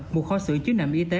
một kho sưởng chứa niệm y tế